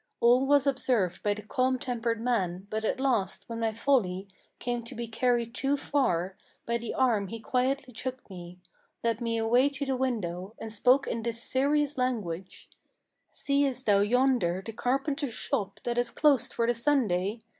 All was observed by the calm tempered man; but at last when my folly Came to be carried too far, by the arm he quietly took me, Led me away to the window, and spoke in this serious language: 'Seest thou yonder the carpenter's shop that is closed for the Sunday?